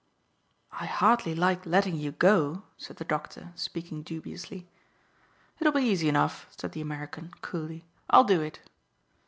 "I hardly like letting you go," said the doctor, speaking dubiously. "It'll be easy enough," said the American coolly. "I'll do it."